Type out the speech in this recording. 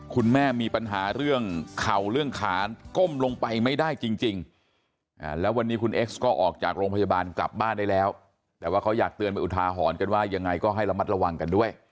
คุณแม่มีปัญหาเรื่องค่าเรื่องเขา